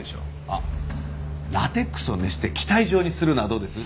あっラテックスを熱して気体状にするのはどうです？